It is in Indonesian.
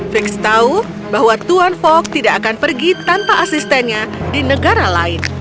fix tahu bahwa tuan fok tidak akan pergi tanpa asistennya di negara lain